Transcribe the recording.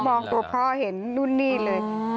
มองตัวพ่อเห็นนู่นนี่เลย